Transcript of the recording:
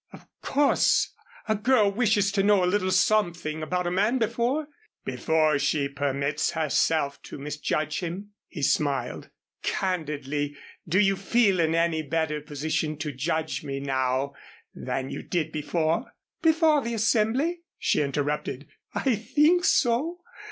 "Of course a girl wishes to know a little something about a man before " "Before she permits herself to misjudge him." He smiled. "Candidly, do you feel in any better position to judge me now than you did before " "Before the Assembly?" she interrupted. "I think so.